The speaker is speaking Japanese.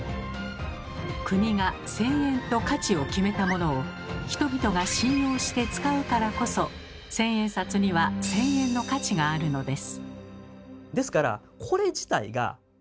国が１，０００円と価値を決めたものを人々が信用して使うからこそ千円札には１，０００円の価値があるのです。